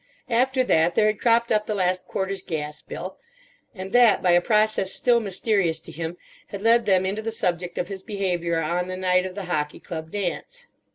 After that there had cropped up the last quarter's gas bill, and that by a process still mysterious to him had led them into the subject of his behaviour on the night of the Hockey Club dance.